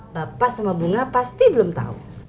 bapak sama bunga pasti belum tahu